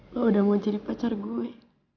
gue udah mau jadi pacar gue